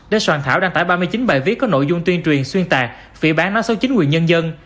để soạn thảo đăng tải ba mươi chín bài viết có nội dung tuyên truyền xuyên tạc phỉ bán nói xấu chính quyền nhân dân